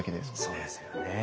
そうですよね。